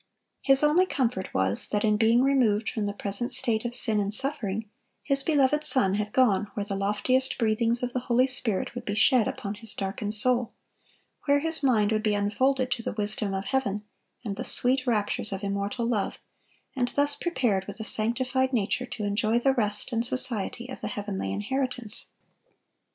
His only comfort was, that in being removed from the present state of sin and suffering, his beloved son had gone where the loftiest breathings of the Holy Spirit would be shed upon his darkened soul; where his mind would be unfolded to the wisdom of heaven and the sweet raptures of immortal love, and thus prepared with a sanctified nature to enjoy the rest and society of the heavenly inheritance.